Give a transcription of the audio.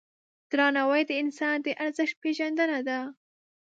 درناوی د انسان د ارزښت پیژندنه ده.